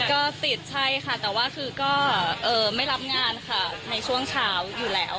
ก็ติดใช่ค่ะแต่ว่าคือก็ไม่รับงานค่ะในช่วงเช้าอยู่แล้ว